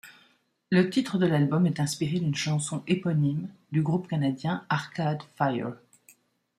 Le titre de l'album est inspiré d'une chanson éponyme du groupe canadien Arcade Fire.